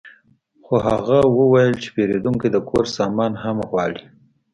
خو هغه وویل چې پیرودونکی د کور سامان هم غواړي